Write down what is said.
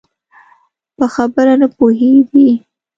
په خبره نه پوهېدی؟